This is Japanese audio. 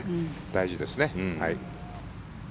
大事ですね。